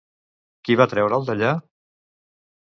Qui va treure'l d'allà?